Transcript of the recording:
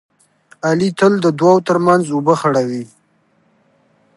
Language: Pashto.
علي تل د دوو ترمنځ اوبه خړوي.